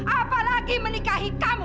apalagi menikahi kamu